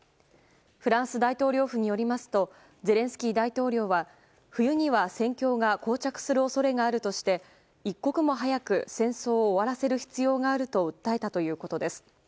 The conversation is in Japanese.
フランス大統領府によりますとゼレンスキー大統領は冬には戦況が膠着する恐れがあるとして一刻も早く戦争を終わらせる必要があると訴えたということです。